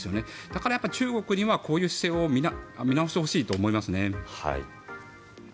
だから、中国にはこういう姿勢を見直してほしいと思いますね。